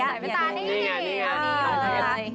ใส่ไปตามนี้